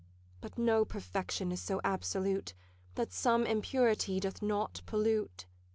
But no perfection is so absolute, That some impurity doth not pollute.